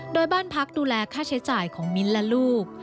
โดยบ้านพักดูแลค่าใช้จ่ายของมิ้นและลูก